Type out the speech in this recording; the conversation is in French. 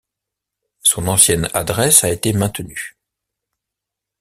Son ancienne adresse a été maintenue.